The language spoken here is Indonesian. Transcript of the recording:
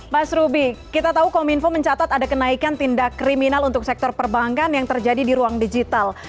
mas ruby kita tahu kominfo mencatat ada kenaikan tindak kriminal untuk sektor perbankan yang terjadi di ruang digital